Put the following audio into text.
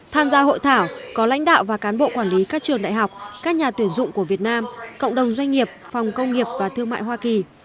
tham gia hội thảo có lãnh đạo và cán bộ quản lý các trường đại học các nhà tuyển dụng của việt nam cộng đồng doanh nghiệp phòng công nghiệp và thương mại hoa kỳ